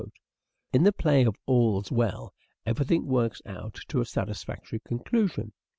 In the play of "All's Well," everything works out to a satisfactory conclusion.